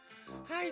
はい。